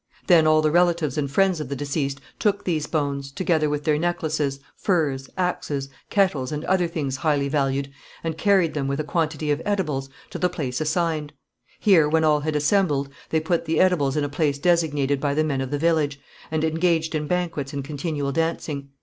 Then all the relatives and friends of the deceased took these bones, together with their necklaces, furs, axes, kettles, and other things highly valued, and carried them, with a quantity of edibles, to the place assigned. Here, when all had assembled, they put the edibles in a place designated by the men of the village, and engaged in banquets and continual dancing.